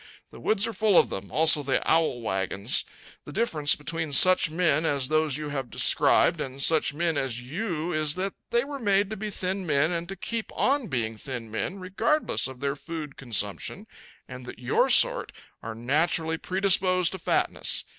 The woods are full of them; also the owl wagons. The difference between such men as those you have described and such men as you is that they were made to be thin men and to keep on being thin men regardless of their food consumption, and that your sort are naturally predisposed to fatness.